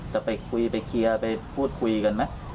จะไปคุยไปเคลียร์ไปพูดคุยกันไหม